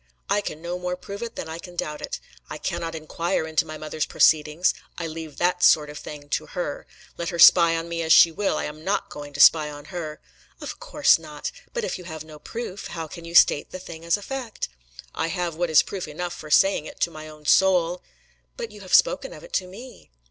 "I can no more prove it than I can doubt it. I cannot inquire into my mother's proceedings. I leave that sort of thing to her. Let her spy on me as she will, I am not going to spy on her." "Of course not! But if you have no proof, how can you state the thing as a fact?" "I have what is proof enough for saying it to my own soul." "But you have spoken of it to me!"